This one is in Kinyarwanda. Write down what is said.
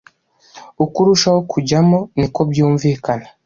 uko urushaho kujyamo niko byumvikana